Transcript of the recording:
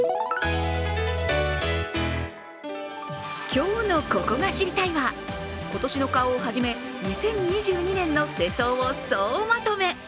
今日の「ここが知りたい！」は今年の顔を始め、２０２２年の世相を総まとめ。